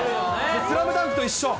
スラムダンクと一緒。